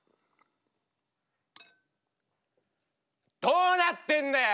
どうなってんだよ！